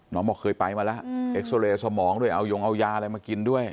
บอกเคยไปมาแล้วเอ็กซอเรย์สมองด้วยเอายงเอายาอะไรมากินด้วย